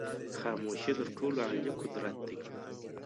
خاموشی تر ټولو عالي قدرت دی.